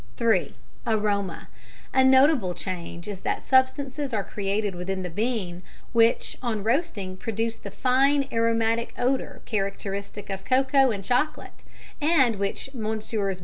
(3) Aroma. A notable change is that substances are created within the bean, which on roasting produce the fine aromatic odour characteristic of cocoa and chocolate, and which Messrs.